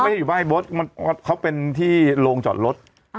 อยู่บ้านรถเขาเป็นที่โรงจอดรถ